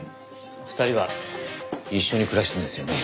２人は一緒に暮らしてるんですよね？